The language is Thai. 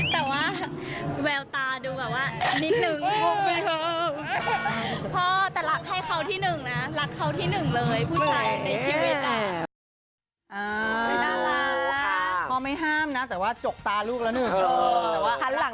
แต่ว่าแววตาดูแบบว่านิดหนึ่ง